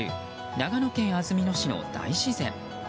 長野県安曇野市の大自然。